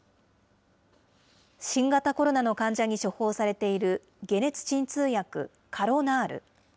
新型コロナの患者に処方されている解熱鎮痛薬カロナール。